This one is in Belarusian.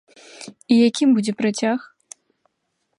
І якім будзе працяг?